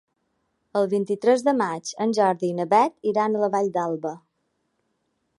El vint-i-tres de maig en Jordi i na Beth iran a la Vall d'Alba.